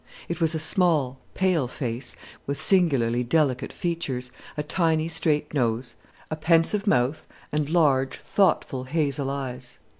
It was a small, pale face, with singularly delicate features, a tiny straight nose, a pensive mouth, and large thoughtful hazel eyes.